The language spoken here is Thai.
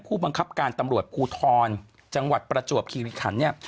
ผู้บังคับการตำรวจภูทรจังหวัดประจวบคิริขันเนี่ย